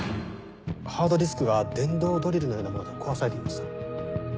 ハードディスクが電動ドリルのようなもので壊されていました。